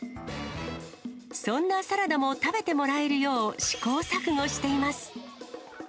そんなサラダも食べてもらえるよう、試行錯誤しています。